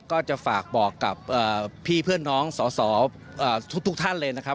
ก็จะฝากบอกกับพี่เพื่อนน้องสอสอทุกท่านเลยนะครับ